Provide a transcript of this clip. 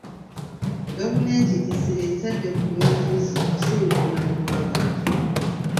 Gavumenti essira eritadde ku byobufuzi okusinga obulamu bw'abantu.